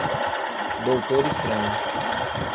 Doutor Estranho.